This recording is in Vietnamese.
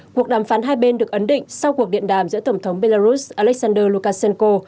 cuộc đàm phán hai bên được ấn định sau cuộc điện đàm giữa tổng thống belarus alexander lukashenko